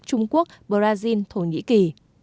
trung quốc brazil thổ nhĩ kỳ